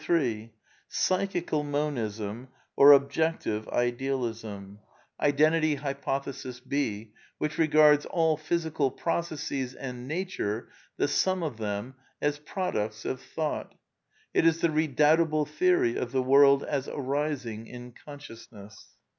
Psychical Monism, or Objective Idealism (Identity 76 A DEFENCE OF IDEALISM Hypothesis B), which regards all physical processes and Nature, the sum of them, as products of Thought. It is the redoubtable theory of the world as ^^ arising in consciousness."